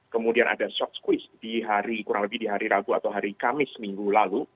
kemudian ada shock squis di hari kurang lebih di hari rabu atau hari kamis minggu lalu